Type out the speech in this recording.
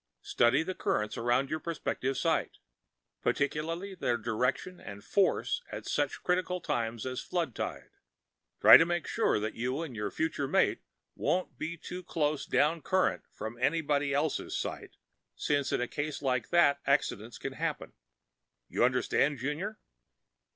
Study the currents around your prospective site particularly their direction and force at such crucial times as flood tide. Try to make sure you and your future mate won't be too close down current from anybody else's site, since in a case like that accidents can happen. You understand, Junior?"